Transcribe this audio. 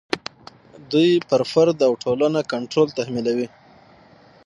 دوی پر فرد او ټولنه کنټرول تحمیلوي.